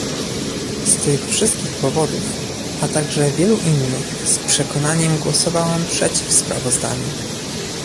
Z tych wszystkich powodów, a także wielu innych z przekonaniem głosowałem przeciw sprawozdaniu